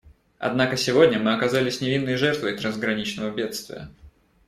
Однако сегодня мы оказались невинной жертвой трансграничного бедствия.